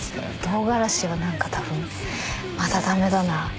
とうがらしはなんか多分まだダメだな。